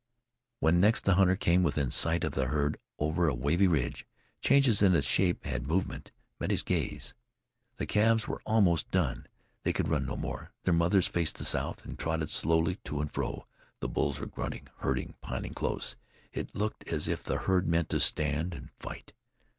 When next the hunter came within sight of the herd, over a wavy ridge, changes in its shape and movement met his gaze. The calves were almost done; they could run no more; their mothers faced the south, and trotted slowly to and fro; the bulls were grunting, herding, piling close. It looked as if the herd meant to stand and fight.